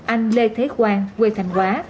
anh lê thế quang quê thành hóa